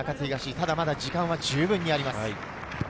ただ、まだ時間はじゅうぶんにあります。